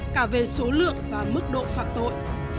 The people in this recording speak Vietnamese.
cả về số lượng và mức độ phạt tội